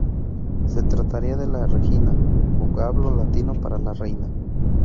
Se trataría de ´la regina', vocablo latino para la reina.